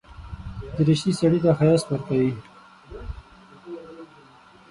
دریشي سړي ته ښايست ورکوي.